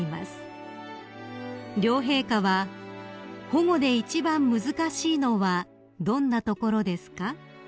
［両陛下は「保護で一番難しいのはどんなところですか？」